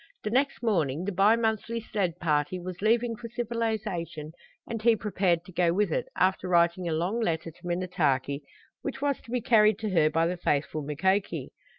The next morning the bi monthly sled party, was leaving for civilization, and he prepared to go with it, after writing a long letter to Minnetaki, which was to be carried to her by the faithful Mukoki.